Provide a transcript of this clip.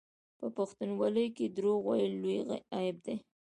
په پښتونولۍ کې دروغ ویل لوی عیب دی.